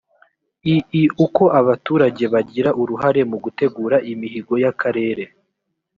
ii uko abaturage bagira uruhare mu gutegura imihigo y akarere